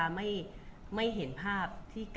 คุณผู้ถามเป็นความขอบคุณค่ะ